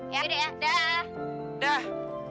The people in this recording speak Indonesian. yaudah ya dah